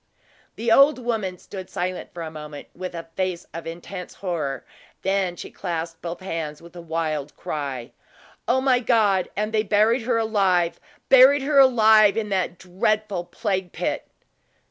The old woman stood silent for a moment, with a face of intense horror, and then she clasped both hands with a wild cry. "O my God! And they buried her alive buried her alive in that dreadful plague pit!"